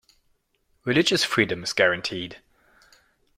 Religious freedom is guaranteed.